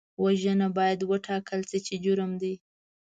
وژنه باید وټاکل شي چې جرم دی